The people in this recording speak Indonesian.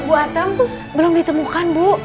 bu atem belum ditemukan bu